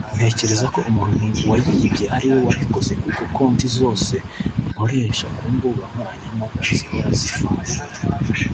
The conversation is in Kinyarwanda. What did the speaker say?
ntekereza ko umuntu wayibye ari we wabikoze kuko konti zose nkoresha ku mbuga nkoranyambaga zihora zifunguye